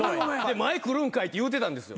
前来るんかいって言うてたんですよ。